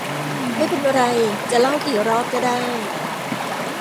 ไม่เป็นไร จะเล่ากี่รอบก็ได้